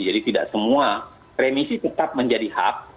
jadi tidak semua remisi tetap menjadi hak